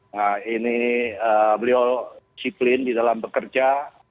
nah ini beliau disiplin di dalam bekerja